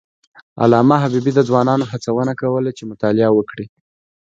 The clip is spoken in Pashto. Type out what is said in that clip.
علامه حبیبي د ځوانانو هڅونه کوله چې مطالعه وکړي.